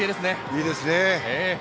いいですね。